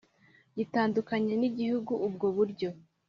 Gitandukanye n igihugu ubwo buryo